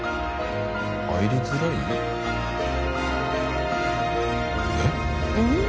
入りづらい？えっ？えっ？